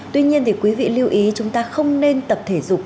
tuy nhiên thì quý vị lưu ý chúng ta không nên tập thể dục